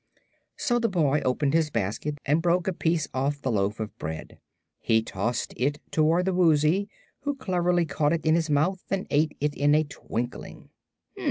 So the boy opened his basket and broke a piece off the loaf of bread. He tossed it toward the Woozy, who cleverly caught it in his mouth and ate it in a twinkling.